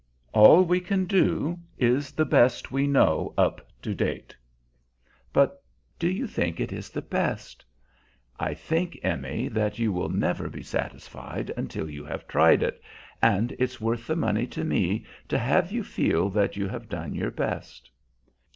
All we can do is the best we know up to date." "But do you think it is the best?" "I think, Emmy, that you will never be satisfied until you have tried it, and it's worth the money to me to have you feel that you have done your best."